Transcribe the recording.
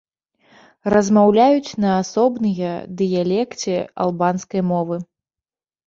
Размаўляюць на асобныя дыялекце албанскай мовы.